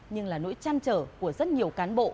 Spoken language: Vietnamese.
nhưng là nỗi chăn trở của rất nhiều cán bộ